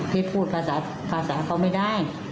พี่พูดภาษาเขาไม่ได้